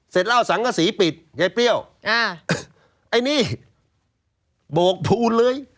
เสร็จแล้วสังกษีปิดยายเปรี้ยวอ่าไอ้นี่โบกภูนเลย